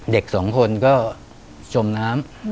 เด็กสองคนก็จมน้ำ